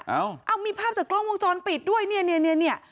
เอ้าเอ้ามีภาพจากกล้องวงจรปิดด้วยเนี่ยเนี่ยเนี่ยเนี่ย